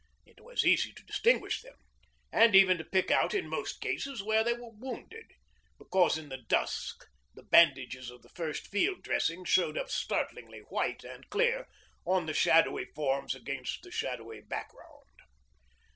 It was easy to distinguish them, and even to pick out in most cases where they were wounded, because in the dusk the bandages of the first field dressing showed up startlingly white and clear on the shadowy forms against the shadowy background.